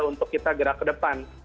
untuk kita gerak ke depan